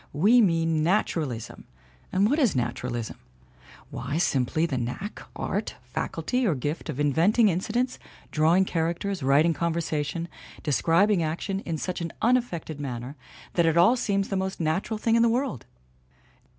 We mean nat uralism. And what is naturalism? Why, simply the knack, art, faculty or gift of inventing incidents, drawing characters, writing conversation, describing action in such an unaffected manner that it all seems the most natural thing in the world!